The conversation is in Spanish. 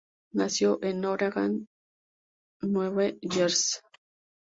Nació en Orange, Nueva Jersey.